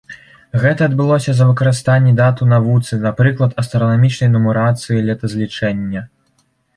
Гэта адбылося з-за выкарыстанні дат у навуцы, напрыклад, астранамічнай нумарацыі летазлічэння.